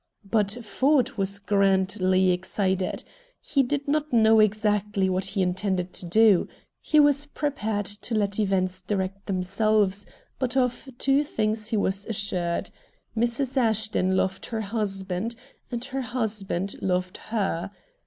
But Ford was grandly excited. He did not know exactly what he intended to do. He was prepared to let events direct themselves, but of two things he was assured: Mrs. Ashton loved her husband, and her husband loved her.